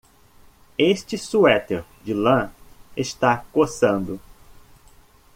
Este suéter de lã está coçando.